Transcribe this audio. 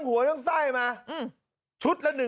สวัสดีทุกคน